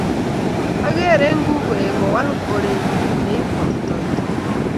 ang'er eng kukoe kowal orenyin neibwotitoi